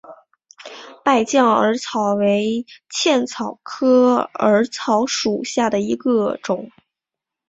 败酱耳草为茜草科耳草属下的一个种。